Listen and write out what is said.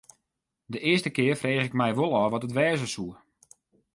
De earste kear frege ik my wol ôf wat it wêze soe.